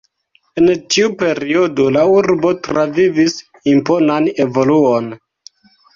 En tiu periodo la urbo travivis imponan evoluon.